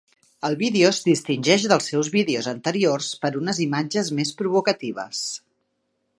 El vídeo es distingeix dels seus vídeos anteriors per unes imatges més provocatives.